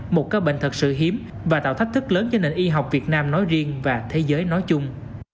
một ca bệnh thật sự hiếm và tạo thách thức lớn cho nền y học việt nam nói riêng và thế giới nói chung